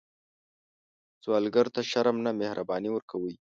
سوالګر ته شرم نه، مهرباني ورکوئ